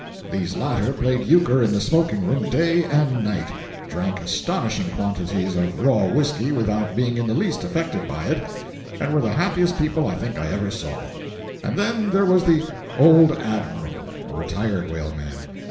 These latter played euchre in the smoking room day and night, drank astonishing quantities of raw whisky without being in the least affected by it, and were the happiest people I think I ever saw. And then there was "the old Admiral—" a retired whaleman.